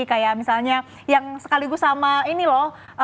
kayak misalnya yang sekaligus sama ini loh